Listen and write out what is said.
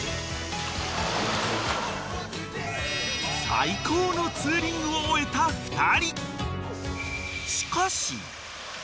［最高のツーリングを終えた２人］